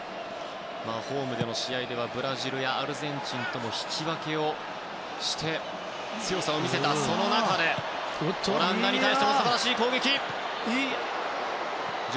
ホームでの試合ではブラジルやアルゼンチンと引き分けをして強さを見せたその中でオランダに対しても素晴らしい攻撃。